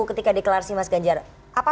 ketika deklarasi mas ganjar apa